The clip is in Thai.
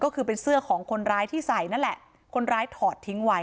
ก็คือเป็นเสื้อของคนร้ายที่ใส่นั่นแหละคนร้ายถอดทิ้งไว้